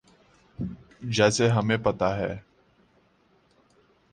جیسے ہمیں پتہ ہے۔